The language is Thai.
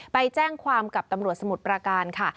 ไปแจ้งความกับตำรวจสมุทรประการค่ะ